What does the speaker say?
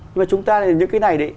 nhưng mà chúng ta những cái này